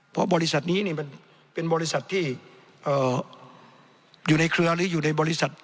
เพราะบริษัทนี้มันเป็นบริษัทที่อยู่ในเครือหรืออยู่ในบริษัท